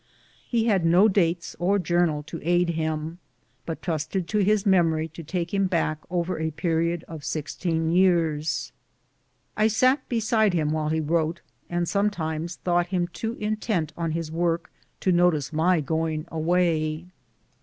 He had no dates or journal to aid him, but trusted to his memory to take him back over a period of sixteen years. I sat beside him while he wrote, and sometimes thought him too in tent on his work to notice my going away.